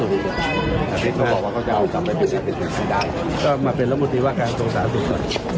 กรรมการปปปศก็จะเอากลับมาเป็นรับมนตรีว่าการกระทรวงศาสตร์